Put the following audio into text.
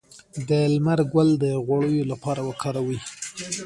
د لمر ګل د غوړیو لپاره وکاروئ